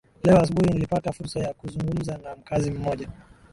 leo asubuhi nilipata fursa ya kuzungumza na mkazi mmoja